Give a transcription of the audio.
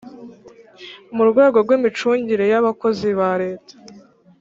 mu rwego rw imicungire y abakozi ba Leta